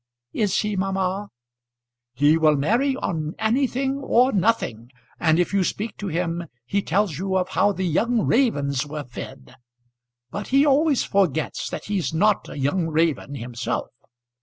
"Is he, mamma?" "He will marry on anything or nothing. And if you speak to him he tells you of how the young ravens were fed. But he always forgets that he's not a young raven himself."